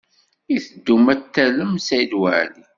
I teddum ad tallem Saɛid Waɛli?